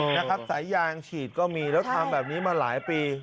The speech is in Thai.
นะครับสายยางฉีดก็มีแล้วทำแบบนี้มาหลายปี